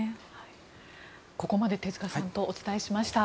ここまで手塚さんとお伝えしました。